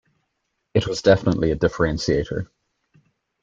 It was definitely a differentiator.